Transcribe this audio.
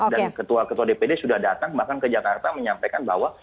dan ketua ketua dpd sudah datang bahkan ke jakarta menyampaikan bahwa